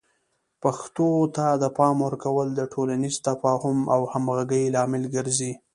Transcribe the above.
پښتو ته د پام ورکول د ټولنیز تفاهم او همغږۍ لامل ګرځي.